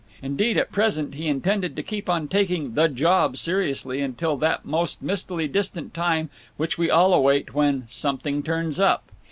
Indeed, at present he intended to keep on taking The Job seriously until that most mistily distant time, which we all await, "when something turns up."